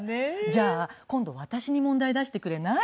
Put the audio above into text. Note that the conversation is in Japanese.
じゃあ今度私に問題出してくれない？